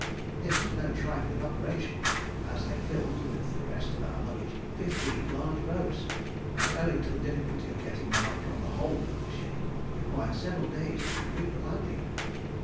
This was no trifling operation, as they filled (with the rest of our luggage) fifteen large boats; and, owing to the difficulty of getting them up from the "hold" of the ship, required several days to complete the landing.